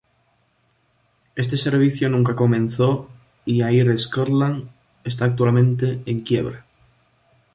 Este servicio nunca comenzó y Air Scotland está actualmente en quiebra.